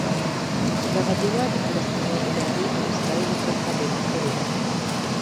دغه دیوال د فلسطیني ادارې او اسرایلو کرښه بېله کړې ده.